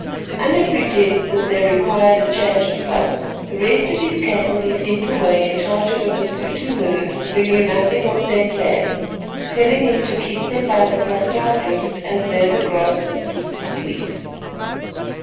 Under pretence that they required a change of veldt, the rest of his cattle he sent away in charge of a Basuto herd who knew nothing of their plans, telling him to keep them by the Crocodile Drift, as there the grass was good and sweet.